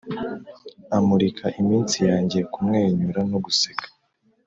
amurika iminsi yanjye kumwenyura no guseka.